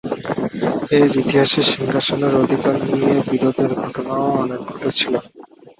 এর ইতিহাসে সিংহাসনের অধিকার নিয়ে বিরোধের ঘটনাও অনেক ঘটেছিল।